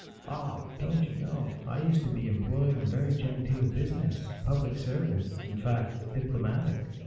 " Aw ! don t you know ? I used to be employed in very genteel business ; public service, in fact, diplomatic.